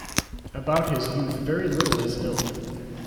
About his youth very little is known.